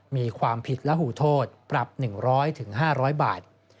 มีความผิดและหูโทษปรับ๑๐๐๕๐๐บาท